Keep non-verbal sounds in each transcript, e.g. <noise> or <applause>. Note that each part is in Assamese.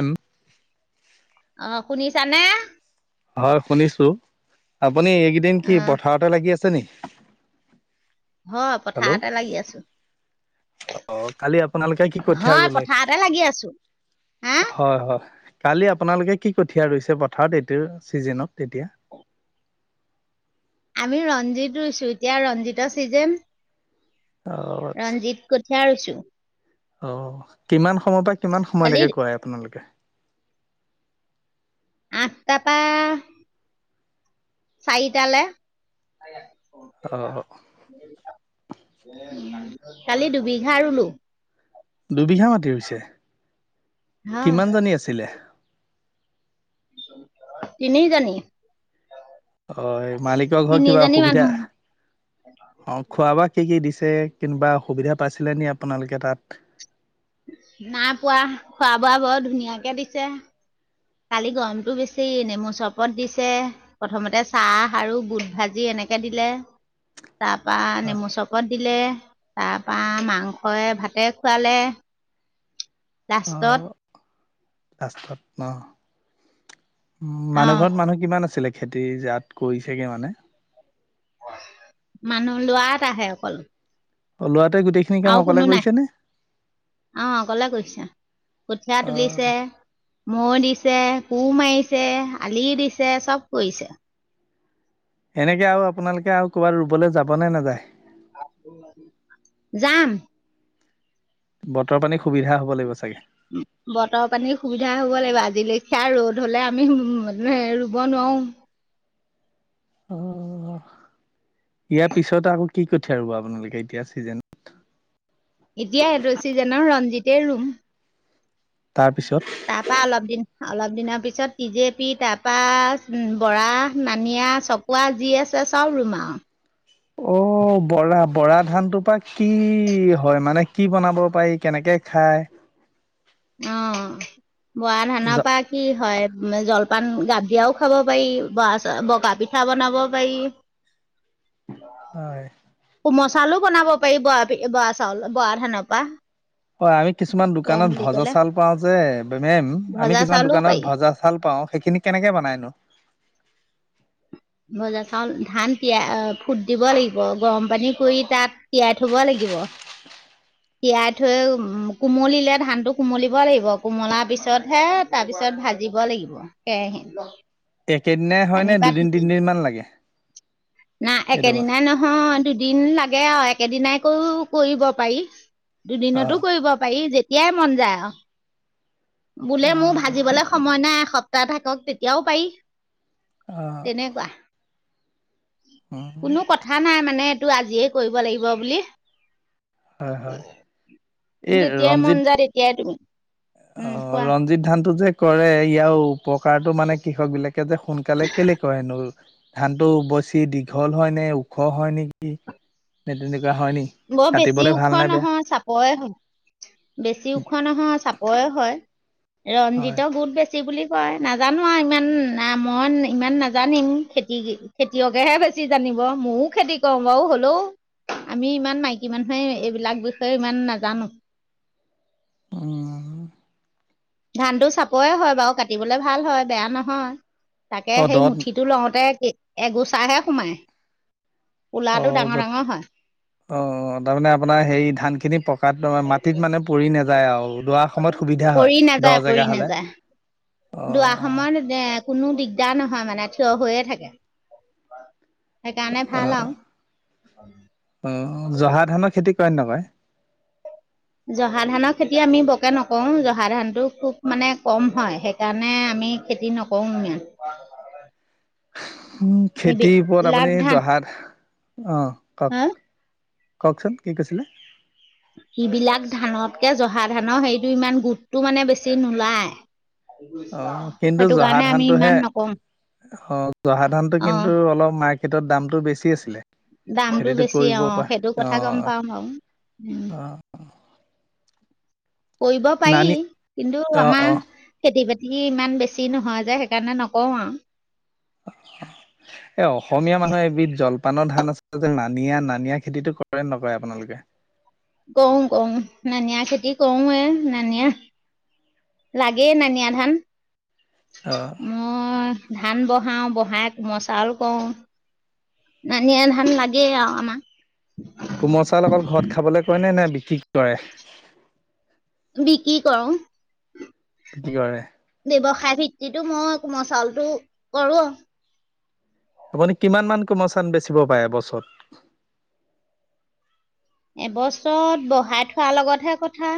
এম অ শুনিছানে? হয় শুনিছো আপুনি এইকেইদিন অ কি পথাৰতে লাগি আছে নি? হয় হেল্ল' পথাৰ এতে লাগি আছো। অ কালি আপোনালোকে কি কঠিয়া হয় ৰুলে? পথাৰতে লাগি আছো হা হয় হয় কালি আপোনালোকে কি কঠীয়া ৰুইছে পথাৰত এইটো চিজনত তেতিয়া আমি ৰঞ্জিত ৰুইছো এতিয়া ৰঞ্জিতৰ ছিজেন অ আচ্ছা ৰঞ্জিত কঠীয়া ৰুইছো অ কিমান সময়ৰ পৰা কিমান সময় কালি লাগে কোৱাই আপোনালোকে আঠটা পা চাৰিটালে অ কালি দুবিঘা ৰুলো দুবিঘা মাটি হৈছে হয় কিমানজনী আছিলে। তিনি জানি অ মালিকৰ ঘৰত কিবা অসুবিধা মানুহ অ খোৱা বোৱা কি কি দিছে কোনিবা সুবিধা পাইছিলে নিে আপোনালোকে তাত নাই পোৱা খোৱা বোৱা বৰ ধুনীয়াকে দিছে কালি গৰমতটো বেছি নেমু চবত দিছে প্ৰথমতে চাহ আৰু বুট ভাজি এনে সনেকে দিলে তাৰ পৰা অ নেমু চৰবত দিলে তাৰ পৰা মাংসই ভাতে খুৱালে অ লাষ্টত অ উ অ মানুহ ঘৰত মানুহ কিমান আছিলে খেতি জাত কৰিছেগৈ মানে মানুহ লোৱাত আহে অকল অ লৰাটোৱে গোটেইখিনি কাম অকলে কৰিছেনে আহ অকলে কৰিছে কঠীয়া অ তুলিছে মৌ দিছে কু মাৰিছে আলি দিছে চব কৰিছে এনেকে আৰু আপোনালোকে আৰু ক'ৰবাত ৰুবলৈ যাব নে নেযায়। যাম বতৰ পানী সুবিধা হ'ব লাগিব চাগে। বতৰ পানীৰ সুবিধা হব লাগিব আজি লেখিয়া ৰ'দ হলে আমি ৰুব নোৱাৰো। অ অ ইয়াৰ পিছত আৰু কি কঠিয়া ৰ'ব আপোনালোকে এতিয়া চিজনত এতিয়া এড চিজনৰ ৰঞ্জিতে ৰুম তাৰপিছত তাৰপা অলপ দিন অলপ দিনৰ পিছত পি জেপি তাৰপা উ বৰা নানিয়া চকোৱা যি আছে চাব ৰুম আৰু অ বৰা বৰা ধানটোৰ পৰা কি হয় মানে কি বনাব পাৰি কেনেকে খায় অ বৰা ধানৰ পৰা কি হয় জল পান গাখিৰেও খাব পাৰি বগা পিঠা বনাব পাৰি হয় কোম চাউলো বনাব পাৰি ব বৰা চাউল বৰা সেনেকুৱা হয় আমি কিছুমান দোকানত ভজা চাল পাও যে মেম আমি ভজা কিছুমান চাউলো দোকানত পাৰি ভজা চাল পাও সেইখিনি কেনেকে বনাইনো। বজা চাউল ধান তিয়াই ফুট দিব লাগিব গৰম পানী কৰি তাত তিয়াই থব লাগিব লাগিব তিয়াই থৈ উ কোমলিলে ধান টো কোমলিব লাগিব কোমলাৰ পিছতহে তাৰপিছত পিছত ভাজিব লাগিব কেৰাহী নে একেদিনাই হয়নেে দুদিন তিনদিনমান লাগে নাই এইটো একেদিনাই নহয় দুদিন লাগে আৰু একেদিনাই কৰিৈ কৰিব পাৰি অ দুদিনতো কৰিব পাৰি যেতিয়াই মন যায় আৰু বোলে অ মোৰ ভাজিবলৈ সময় নাই এসপ্তাহ থাকক তেতিয়াও পাৰি। অ তেনেকুৱা- উম, কোনো কথা নাই মানে এইটো আজিয়ে কৰিব লাগিব বুলি- হয় হয়। এই যেতিয়াই মন ৰঞ্জিত যায় তেতিয়াই তুমি উম অ কোৱা ৰঞ্জিত ধান টো যে কৰে ইয়াও- উপকাৰটো মানে কৃষক বিলাকে যে সোনকালে কেলেকয় হেনো- ধান টো বছি দীঘল হয় নে ওখ হয় নেকি ন। হয় নি বৰ বেছি কাটিবলৈ ওখ ভাল নাই বেয়া। নহয় চাপৰে হয় বেছি ওখ নহয় চাপৰে হয় হয়। ৰঞ্জিতৰ বহুত বেছি। বেছি বুলি কয় নাজানো আৰু ইমান মই ইমান নাজানিম খেতি খেতিয়কেহে বেছি- বেছি জানিব ময়ো খেতি কৰো বাৰু হ'লেও- আমি ইমান মাইকী মানুহে এইবিলাক বিষয়ে ইমান নাজানো। অ ধানটো চাপৰে হয় বাৰু কাটিবলে ভাল হয় বেয়া নহয়। তাকে অ' সেই দত মুঠিটো লওঁতে এগোচাহাহে সোমায় অ যত অ তাৰমানে আপোনাৰ হেই ধানখিনি পকাত দম মাটিত মানে পৰি নাযায় আৰু দোৱাৰ সময়ত সুবিধা হয় পৰি নাযায় দহ পৰি জেগা হলে- নাযায় দোৱা অ' সময়ত এ কোনো দিগদাৰ নহয় মানে থিয় হৈয়ে থাকে। সেইকাৰণে ভাল অ' আৰু- অ জহা ধানৰ খেতি কৰে নে নকয়। জহা ধানৰ খেতি আমি বৰকে নকৰো জহা ধানতটো খুব মানে কম হয় সেইকাৰণে- আমি খেতি নকৰো ইমান। উ খেতিৰ ওপৰত এইবিলাক আপুনি ধান জহাৰ অ কওক হা কওকচোন কি কৈছিলে। যিবিলাক ধানতকে জহা ধানৰ সেইটো ইমান গোটটো মানে বেছি নোলায়। অ' কিন্তু সেইটো জহা কাৰণে আমি ধানটোহে ইমান নকও অ জহা ধানতটো কিন্তু অলপ মাৰ্কেটত দামতটো বেছি আছিলে দামতটো খেতিটো বেছি কৰিব অ পৰা সেইটো কথা গম অ' পাও বাউ উম <inaudible> অ' কৰিব পাৰি নানি কিন্তু অ' আমাৰ অ' খেতি বাতি টি ইমান বেছি নহয় যে সেইকাৰণে নকওঁ আউ, এ অসমীয়া মানুহে এবিধ জলপানৰ ধান আছে যে নানিয়া নানিয়া খেতিতটো কৰে নকৰে। আপোনালোকে এক কওঁ কওঁ নানিয়া খেতি কৰো এ নানিয়া। লাগেই নানিয়া ধান অ' মই মই ধান বহাওঁ বহাই মই কমল চাউল কৰওঁ নানিয়া ধান লাগেনো আৰু কোমল চাউল, অকল ঘৰত খাবলৈ কয় নে নে বিক্ৰী কৰে। বিকি কৰো। বিকি কৰে। ব্যৱসায় ভিত্তিতো মই কোমল চাউলটো কৰো আপুনি কিমান মান কোমল চাউল বেচিব পাৰে এবছৰত- এবছৰত বহাই থোৱাৰ লগতহে কথা।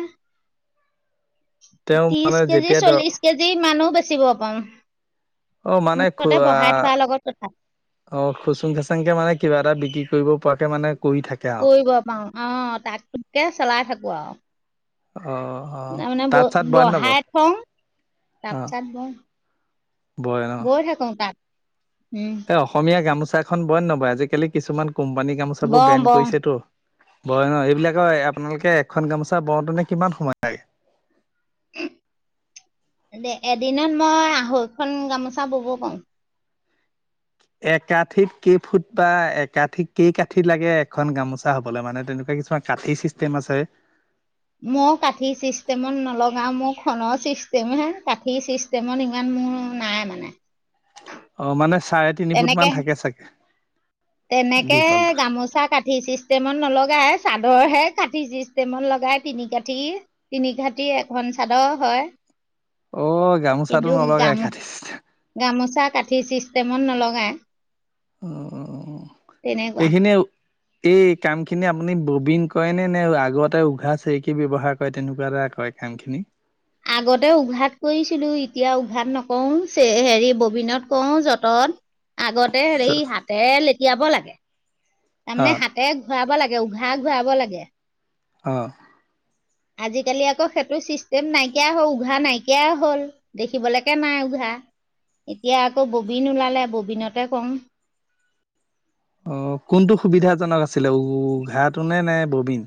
তেওঁ ত্ৰিশ মানে কেজি যেতিয়া ধৰ চল্লিশ কেজি মানো বেচিব পাওঁ - অ মানে খোৱা লগত কথা অ খুচুং চাচুং কে মানে কিবা এটা বিকি- কৰিব পৰাকে মানে- কৰি থাকে আৰু। কৰিব পাৰো অ তাককে চলাই থাকো আউ অ', অ', তাৰমানে ব তাঁত চাত বয় নবয় বঢ়াই থগ অ', তাপাছত মও বৈ থাকোগ তাত- এ অসমীয়া গামোচাখন বইনে নবয় আজিকালি কিছুমান কোম্পানী গামোচাবোৰ বওঁ বেন বওঁ কৰিছেতো বয় ন এইবিলাকৰ আপোনালোকে এখন গামোচা বৰতেনে কিমান সময় লাগে এদিনত মই আঢৈখন গামোচা বব পাও একাঠিত কেই ফুট বা একাঠিত কেই কঠি লাগে এখন গামোচা হবলৈ মানে তেনেকুৱা কিছুমান কাটি চিষ্টেম আছে মই কাঠি চিষ্টেমত নলগাও মোৰ খনৰ চিষ্টেম হে কাঠি চিষ্টেমত ইমান মোৰ নাই মানে অ মানে চাৰে তিনি ফুট মান তেনেকে থাকে চাগে তেনেকে দীঘলটো গামোচা কাটি চিচ ষ্টেমত নলগাই চাদৰ হে কাটি ষ্টেমত লগাই তিনি কাঠি তিনি কাঠি এখন চাদৰ হয় অ', গামোচাটো কিন্তু গা নলগাই কাঠি চিষ্টেম গামোচা ক কাঠি চিষ্টেমত নলগায় অ এইখিনিযে এই কাম খিনি আপুনি ববিন কৰে নে নে আগতে উঘা চেৰিকি ব্যৱহাৰ কৰে তেনেকুৱা এটা অই ঘাগ খিনি আগতে উঘাত কৰিছিলো এতিয়া উঘাত নকৰো হেৰি ববিনত কওঁ যতত আগতে হেৰি হাতেৰে লেতিয়াব লাগে অ তাৰমানে হাতে ঘূৰাব লাগে উঘাহ ঘূৱাব লাগে অ আজিকালি আকৌ সেইটো চিষ্টেম নাইকিয়া হল উঘা নাইকিয়া হল দেখিবলেকে নাই উঘা এতিয়া আকৌ ববিন ওলালে ববিনতে কও অ কোনটো সুবিধাজনক আছিলে উঘাটো নে নে ববিন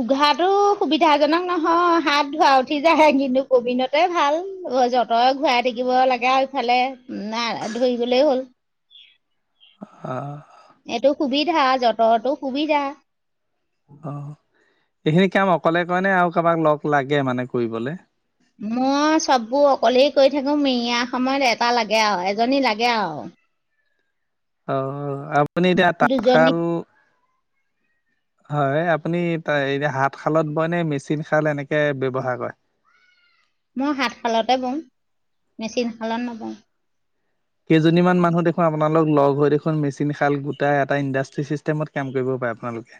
উঘাটো সুবিধাজনক নহয় হাত ধোৱা উঠি যাহে কিন্তু কবিনতে ভাল যতৰে ঘূৰাই থাকিব লাগে আৰু ইফালে ধৰিগলে হ'ল অ এইটো সুবিধা যতৰতটো সুবিধা অ এইখিনি কাম অকলে কৰে ন আৰু কাৰোবাক লগ লাগে মানে কৰিবলে মই চববোৰ অকলেই কৰি থাকো মিৰিয়াৰ সময়ত এটা লাগে আও এজনী লাগে আও আহ আপুনি এতিয়া দুজনী তাঁতশাল <inaudible> হয় আপুনি এ হাতশালত বয় নে মেচিন শাল এনেকে ব্যৱহাৰ কৰে মই হাতশালতে বওঁ মেচিন শালত নবওঁ কেইজনী মান মানুহ দেখোন আপোনালোক লগ হৈ দেখোন মেচিন শাল গোটাই এটা ইণ্ডাষ্টী চিষ্টেমত কাম কৰিব প আপোনালোকে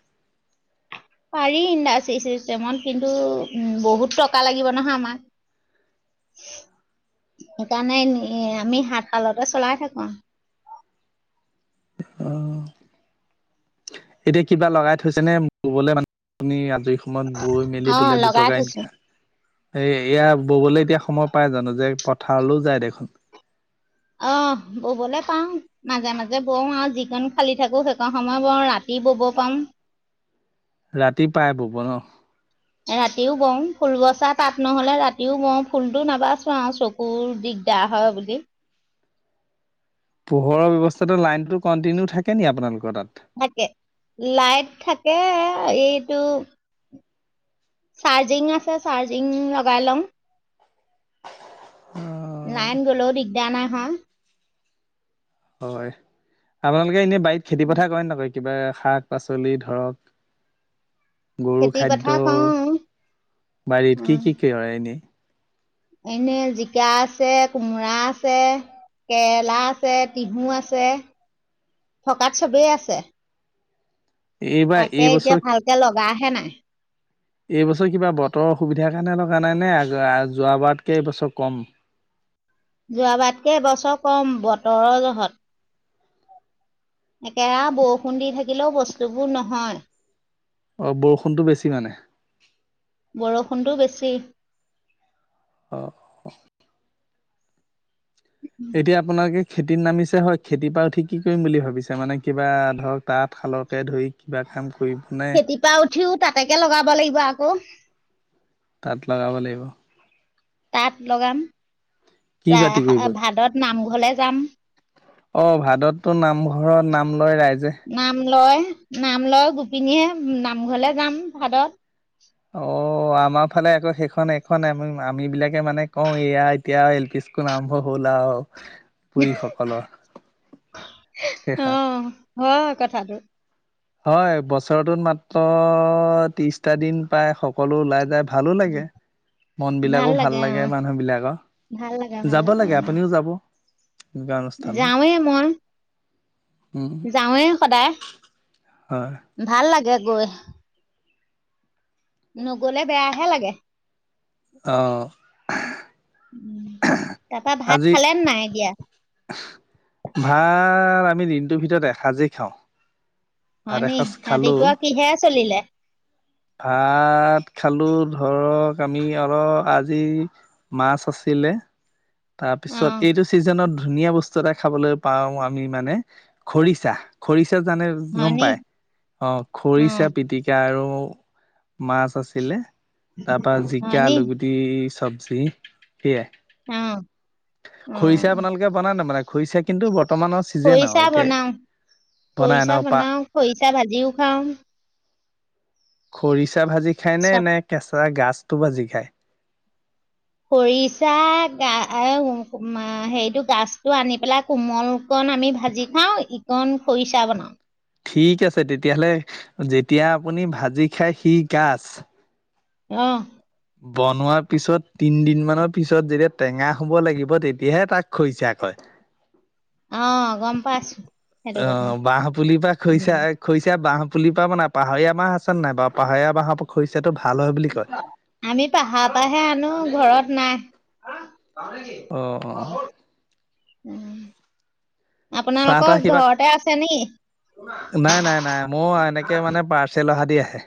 <inaudible> পাৰি ইণ্ডাষ্ট্ৰী চিষ্টেমত কিন্তু উম বহুত টকা লাগিব নহয় আমাক সেইকাৰণে আমি হাত শালতে চলাই থাকো আহ এতিয়া কিবা লগাই থৈছে নে ৰুবলে মা আ পুনি ত ই সময়ত বৈ মেলি অ বোলে লগাই দুটকা এন স থৈছো। এয়া ববলৈ এতিয়া সময় পাই জানো যে পথাৰলৈও যায় দেখোন অ ববলৈ পাও মাজে মাজে বওঁ আৰু যিকন খালী থাকো সেইকণ সময় বওঁ ৰাতি দিবব পাম ৰাতি পাই বব ন ৰাতিও বওঁ ফুল বচা তাত নহলে ৰাতিও বওঁ ফুলতো নাবাচো আৰু চকুৰ দিগ দাৰ হয় বুলি পোহৰৰ ব্যৱস্থাটো লাইনতো কণ্টিনিউ থাকে নি আপোনালোকৰ তাত থাকে লাইট থাকে এইটো চাৰ্জিং আছে চাৰ্জিং লগাই ল'ম লাইন গলেও দিগদাৰ নাই হা হয় আপোনালোকে এনে বাৰীত খেতি পথাৰ কৰে নকয় কিবা শাক পাচলি ধৰক গৰু খেতি খাদ্য পথাৰ কৰোঁ বাৰীত কি কি কি হয় এনেই এনেই জিকা আছে কোমোৰা আছে কেৰেলা আছে টিহু আছে থকাত চবেই আছে এইবাৰ তাকে এতিয়া এইবছৰ ভালকে লগা হে নাই এইবছৰ কিবা বতৰ অসুবিধা সেইকাৰণে থকা নাই নে যোৱ বাৰতকে এইবছৰ কম যোৱাবাতকে এ বছৰ কম বতৰৰ জহত একেৰা বৰষুণ দি থাকিলেও বস্তুবোৰ নহয়। অ বৰষুণতটো বেছি মানে বৰষুণটো বেছি অ অ এতিয়া আপোনাক এই খেতিত নামিছে হয় খেতিৰ পৰা উঠি কি কৰিম বুলি ভাবিছে মানে কিবা ধৰক তাঁতশালকে ধৰি কিবা কাম কৰিব নে খেতিৰপা উঠিও তাতকে লগাব লাগিব আকৌ তাত লগাব লাগিব তাত লগাম কি তা বাতি হ কৰিব ভাদত নামঘৰলে যাম অ ভাদতটো নামঘৰত নাম লয় ৰাইজে নাম লয়, নাম লয় গোপিনীয়েহে নামঘৰলে যাম ভাদত খন এখন আম আম বিলাকে মানে কওঁ এয়া এতিয়া এল পি স্কুল আৰম্ভ হ'ল আৰু পুৰি সকলৰ শেষা অ', হয় কথাটো হয় বছৰতোত মাত্ৰ অ অ অ ত্ৰিশটা দিন পায় সকলো ওলাই যায় ভালো লাগে মন বিলাকো ভাল লাগে মানুহ বিলাকৰ ভাল লাগে যাব লাগে আপুনিও যাব এনেকুৱা অনুষ্ঠানত যাওঁয়েই মই উম যাওঁৱেই সদায় হয় ভাল লাগে গৈ। নগলে বেয়াহে লাগে। আহ। উ তাৰাপা ভাত খালে নাই এতিয়া? ভাৰ আমি দিনটোৰ ভিতৰত এসাঁজেই খাওঁ। ভাত হয়নি এসাঁজ খালো আদিকুৱা কি হেয়া চলিলে? ভাত খালো ধৰক আমি অলপ আজি মাছ আছে। ছিলিলে। অ তাৰপিছত এইটো ছিজনত ধুনীয়া বস্তু এটা খাবলৈ পাওঁ আমি মানে খৰিচা। জানে গম হয়নি পাই অ অ খৰিচা পিটিকা আৰু মাছ আছিলে তাৰ পৰা জিকা হয়নি আলুু গুটি চব। সেয়া। অ অ খৰিচা আপোনালোকে বনাই নবনাই খৰিচা কিন্তু। বৰ্তমানৰ ছিজেন আৰু খৰিচা এতিয়া বনাও, বনাই ন খৰিচা পা বনাও, খৰিচা ভাজিও খাওঁ। খৰিচা ভাজি খায় নে চব নে কেঁচা গাজতটো ভাজি খায়। খৰিচা গা এ হেৰিটো গছতটো আনি পেলাই কোমলকৈ, আমি ভাজি খাওঁ ইকণ খৰিচা বনাও। ঠিক আছে তেতিয়াহলে যেতিয়া আপুনি ভাজি খাই সি গাছ। আহ। বনোৱাৰ পিছত তিন দিন মানৰ পিছত যেতিয়া টেঙা শুব লাগিব তেতিয়াহে তাক খৈচা কয়। অ গম পাই আছো। অ বাহ পুলিৰ পৰা খৈছা খৰিছা বহ, পুলি পাব নাই পাহাৰীয়া বাহ আছে নাই বাৰ পাহাৰীয়া বাহৰ খৰিছাতো, আমি পাহাৰ পৰা হে আনো ঘৰত নাই। ত নে কি অ উ চাহ তাহ আপোনালোকৰ কিবা ঘৰতে আছে নি? নাই নাই নাই মোৰ এনেকে মানে পাৰ্চেল অহা দি আহে।